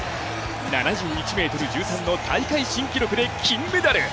７１ｍ１３の大会新記録で金メダル。